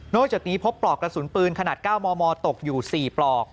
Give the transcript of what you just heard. จากนี้พบปลอกกระสุนปืนขนาด๙มมตกอยู่๔ปลอก